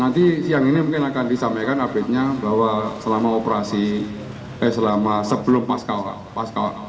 nanti siang ini mungkin akan disampaikan update nya bahwa selama operasi eh sebelum pasca